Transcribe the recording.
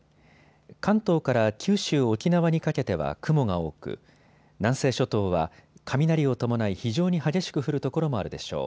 関東から九州、沖縄にかけては雲が多く、南西諸島は雷を伴い非常に激しく降る所もあるでしょう。